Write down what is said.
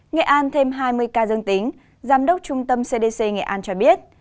nghệ an thêm hai mươi ca dương tính giám đốc trung tâm cdc nghệ an cho biết